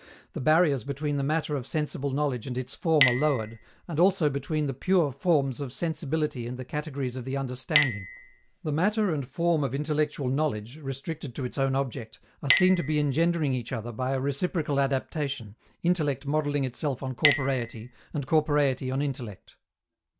The barriers between the matter of sensible knowledge and its form are lowered, as also between the "pure forms" of sensibility and the categories of the understanding. The matter and form of intellectual knowledge (restricted to its own object) are seen to be engendering each other by a reciprocal adaptation, intellect modeling itself on corporeity, and corporeity on intellect.